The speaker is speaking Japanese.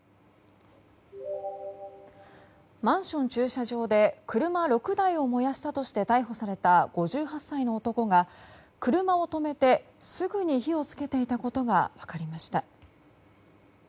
マンション駐車場で車６台を燃やしたとして逮捕された５８歳の男が車を止めてすぐに火を付けていたことが分かりました。